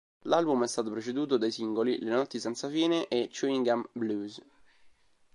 L'album è stato preceduto dai singoli "Le notti senza fine" e "Chewing Gum Blues".